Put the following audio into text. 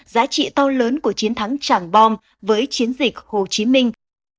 giá trị to lớn của chiến thắng tràng bom với chiến dịch hồ chí minh